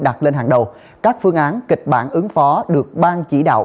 đặt lên hàng đầu các phương án kịch bản ứng phó được ban chỉ đạo